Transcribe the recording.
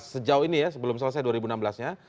sejauh ini ya sebelum selesai dua ribu enam belas nya